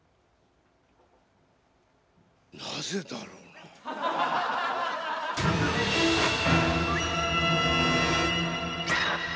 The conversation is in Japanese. なぜだろうなぁ⁉